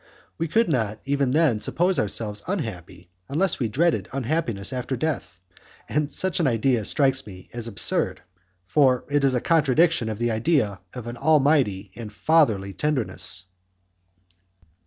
We could not, even then, suppose ourselves unhappy unless we dreaded unhappiness after death, and such an idea strikes me as absurd, for it is a contradiction of the idea of an almighty and fatherly tenderness."